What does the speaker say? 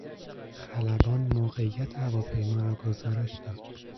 خلبان موقعیت هواپیما را گزارش داد.